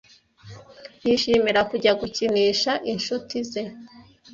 Yishimira kujya gukinisha inshuti ze.